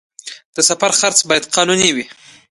د سفر خرڅ باید قانوني وي